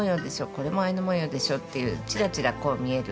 「これもアイヌ文様でしょ」っていうちらちらこう見える。